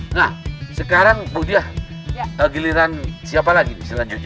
nah sekarang bu diyah giliran siapa lagi selanjutnya